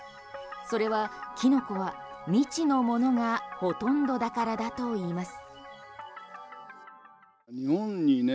それはキノコは未知のものがほとんどだからだといいます。